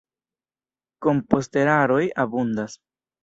Komposteraroj abundas.